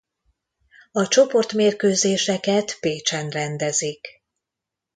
A csoportmérkőzéseket Pécsen rendezik.